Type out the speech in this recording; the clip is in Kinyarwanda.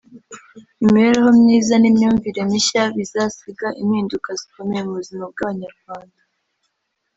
imibereho myiza n’imyumvire mishya bizasiga impinduka zikomeye mu buzima bw’Abanyarwanda